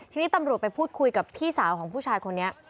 ทีนี้ตำรวจไปพูดคุยกับพี่สาวของผู้ชายคนนี้